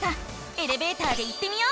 エレベーターで行ってみよう！